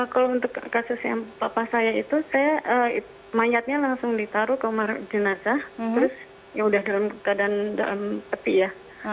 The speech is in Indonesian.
kalau untuk kasus yang papa saya itu saya mayatnya langsung ditaruh ke rumah jenazah terus yaudah dalam keadaan peti ya